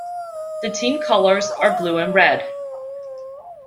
The team colours are blue and red.